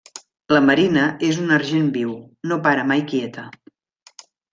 La Marina és un argent viu: no para mai quieta.